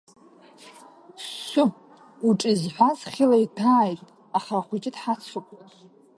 Ссу, уҿ изҳәаз хьыла иҭәааит, аха ахәыҷы дҳацуп!